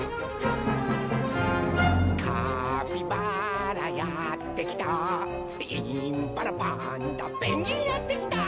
「カピバラやってきたインパラパンダペンギンやってきた」